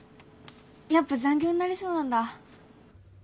やっぱ残業になりそうなんだ。